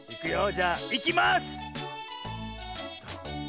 じゃあいきます！